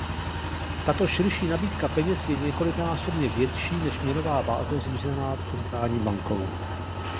Tato širší nabídka peněz je několikanásobně větší než měnová báze řízená centrální bankou.